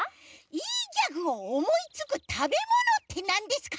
いいギャグをおもいつくたべものってなんですか？